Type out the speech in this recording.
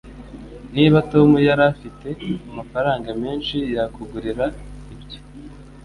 Niba Tom yari afite amafaranga menshi, yakugurira ibyo.